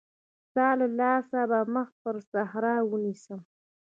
ستا له لاسه به مخ پر صحرا ونيسم.